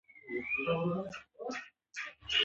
تاریخ د افغانستان یوه طبیعي ځانګړتیا ده.